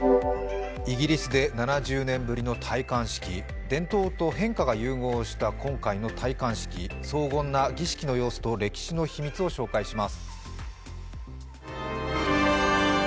イギリスで７０年ぶりの戴冠式伝統と変化が融合した今回の戴冠式、荘厳な儀式の様子と歴史の秘密を紹介します。